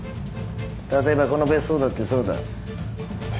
例えばこの別荘だってそうだ。